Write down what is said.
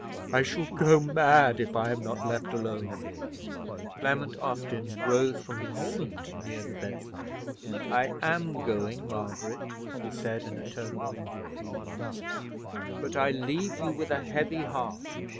I shall go mad if I am not left alone!" Clement Austin rose from his seat near the bedside. "I am going, Margaret," he said, in a tone of wounded feeling; "but I leave you with a heavy heart.